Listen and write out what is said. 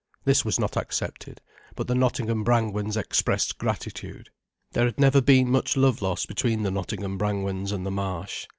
This was not accepted, but the Nottingham Brangwens expressed gratitude. There had never been much love lost between the Nottingham Brangwens and the Marsh.